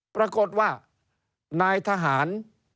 ปรากฏว่านายทหาร